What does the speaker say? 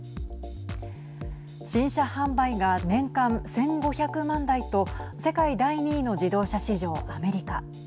新車販売が年間１５００万台と世界第２位の自動車市場アメリカ。